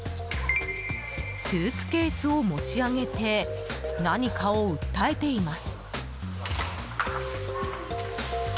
スーツケースを持ち上げて何かを訴えています。